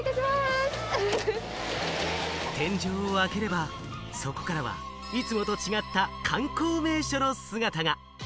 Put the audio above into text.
天井を開ければそこからは、いつもと違った観光名所の姿が！